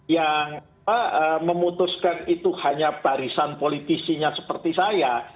yang memutuskan itu hanya barisan politisinya seperti saya